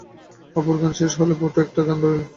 অপুর গান শেষ হইলে পটু একটা গান ধরিল।